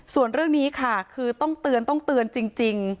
ส่วนเรื่องนี้ค่ะคือต้องเตือนจริง